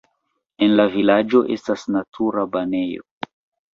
En la vilaĝo estas natura banejo.